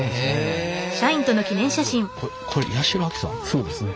そうですね。